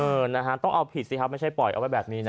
นะฮะต้องเอาผิดสิครับไม่ใช่ปล่อยเอาไว้แบบนี้นะ